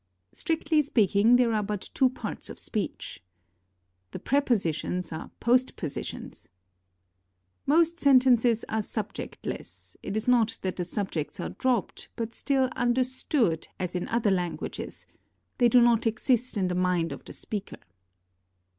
"Strictly speaking, there are but two parts of speech." "The prepositions are post positions." "Most sentences are subjectless; it is not that the subjects are dropped, but still 'understood, ' as in other languages; they do not exist in the mind of the 450 HOW TO LEARN JAPANESE speaker."